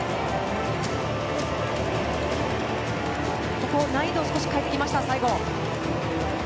ここ難易度を少し変えてきました最後。